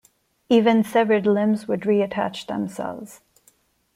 Even severed limbs would reattach themselves.